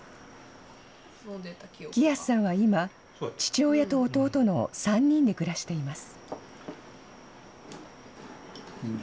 喜安さんは今、父親と弟の３人で暮らしています。